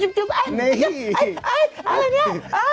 ฉุบฉุบอะไรเนี่ย